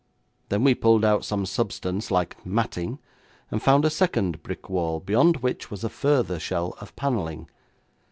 Then we pulled out some substance like matting, and found a second brick wall, beyond which was a further shell of panelling.